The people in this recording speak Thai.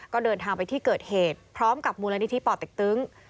ก็เดินทางไปที่เกิดเหตุพร้อมกับมูลนิธิป่อเต็กตึง